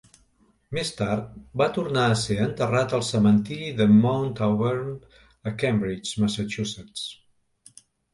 Més tard, va tornar a ser enterrat al cementiri de Mount Auburn a Cambridge, Massachusetts.